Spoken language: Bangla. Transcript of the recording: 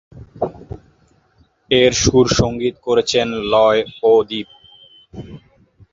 এর সুর-সংগীত করেছেন লয় ও দীপ।